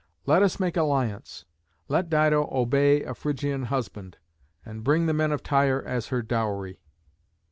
Let us make alliance. Let Dido obey a Phrygian husband, and bring the men of Tyre as her dowry."